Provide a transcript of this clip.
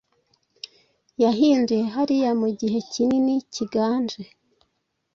Yahinduye hariya mugihe kinini cyiganje